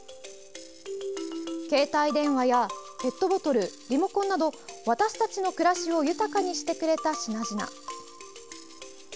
携帯電話やペットボトルリモコンなど私たちの暮らしを豊かにしてくれた品々。